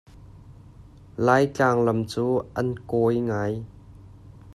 Lai Tlang lam cu an kawi ngai.